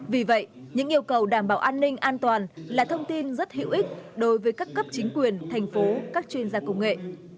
vì vậy những yêu cầu đảm bảo an ninh an toàn là thông tin rất hữu ích đối với các cấp chính quyền thành phố các chuyên gia công nghệ